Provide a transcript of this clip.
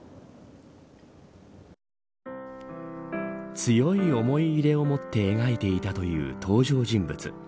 強い思い入れを持って描いていたという登場人物。